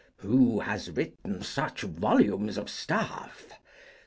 Who has written such volumes of stuff!